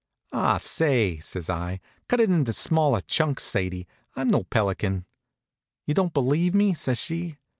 "Ah, say," says I, "cut it in smaller chunks, Sadie. I'm no pelican." "You don't believe me?" says she.